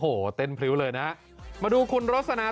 โอ้โหเต้นพริ้วเลยนะมาดูคุณโรสนา